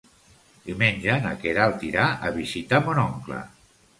Diumenge na Queralt irà a visitar mon oncle.